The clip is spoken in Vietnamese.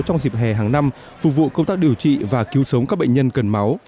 trong dịp hè hàng năm phục vụ công tác điều trị và cứu sống các bệnh nhân cần máu